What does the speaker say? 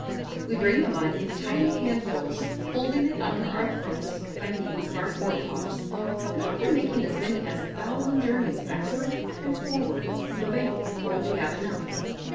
We bring the mud in tiny handfuls, holding it under our throats by means of our forepaws, and often making as many as a thousand journeys backward and forward from the bank before we have enough.